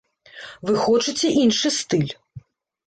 Вы хочаце іншы стыль.